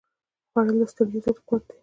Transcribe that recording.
خوړل د ستړیا ضد قوت دی